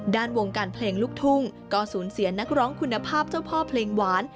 วงการเพลงลูกทุ่งก็สูญเสียนักร้องคุณภาพเจ้าพ่อเพลงหวาน